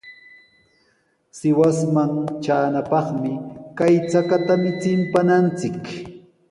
Sihuasman traanapaqmi kay chakatami chimpananchik.